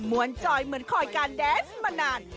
วนจอยเหมือนคอยการแดนส์มานาน